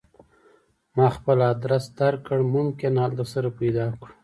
ما خپل ادرس درکړ ممکن هلته سره پیدا کړو